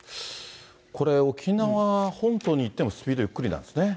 これ、沖縄本当に行ってもスピードゆっくりなんですね。